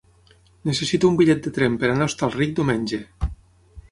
Necessito un bitllet de tren per anar a Hostalric diumenge.